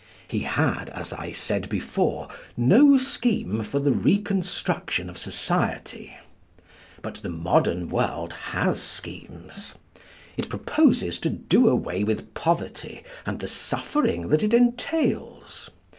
He had, as I said before, no scheme for the reconstruction of society. But the modern world has schemes. It proposes to do away with poverty and the suffering that it entails.